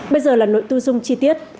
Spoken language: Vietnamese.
bây giờ là nội tư dung chi tiết